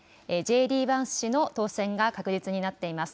Ｊ・Ｄ・バンス氏の当選が確実になっています。